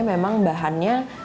mie ini sangat berharga